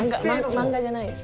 漫画じゃないです。